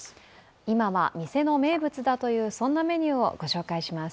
今は店の名物だというそんなメニューをご紹介します。